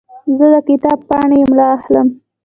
زه د کتاب پاڼې املا اخلم.